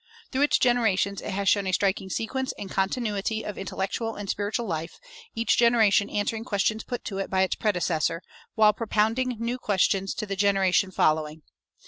Through its generations it has shown a striking sequence and continuity of intellectual and spiritual life, each generation answering questions put to it by its predecessor, while propounding new questions to the generation following.